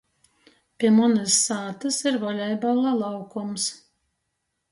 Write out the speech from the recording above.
Pi munys sātys ir volejbola laukums.